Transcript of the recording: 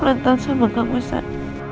lantau sama kamu mbak